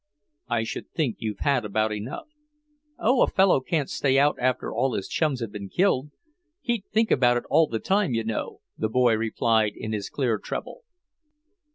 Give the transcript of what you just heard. "I should think you'd have had about enough." "Oh, a fellow can't stay out after all his chums have been killed! He'd think about it all the time, you know," the boy replied in his clear treble.